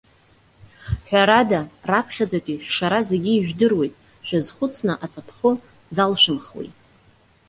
Ҳәарада, раԥхьаӡатәи шәшара зегьы ижәдыруеит, шәазхәыцны аҵатәхәы залшәымхуеи?